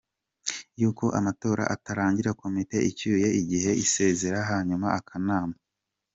y’uko amatora atangira, komite icyuye igihe isezera, hanyuma akanama